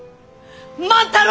万太郎！